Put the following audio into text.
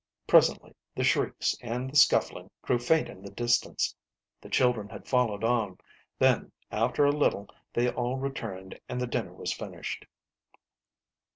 Presently the shrieks and the scuffling grew faint in the distance ; the children had followed on. Then, after a little, they all returned and the dinner was finished.